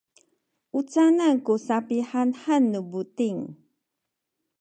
u canan ku sapihanhan nu buting?